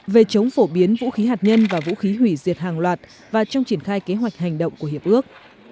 về chống phổ biến vũ khí hạt nhân và vũ khí hủy diệt hàng loạt và trong triển khai kế hoạch hành động của hiệp ước